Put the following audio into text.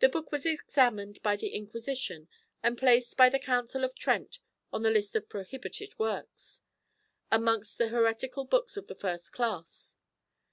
The book was examined by the Inquisition and placed by the Council of Trent on the list of prohibited works, amongst the heretical books of the first class.